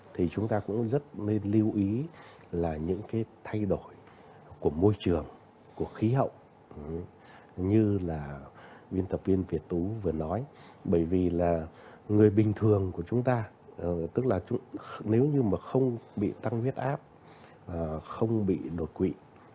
thì chúng ta cũng rất nên lưu ý là những cái thay đổi của môi trường của khí hậu như là biên tập viên việt tú vừa nói bởi vì là người bình thường của chúng ta tức là nếu như mà không bị tăng huyết áp không bị đột quỵ